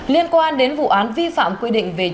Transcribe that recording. liên quan đến vụ án vi phạm quy định về tài sản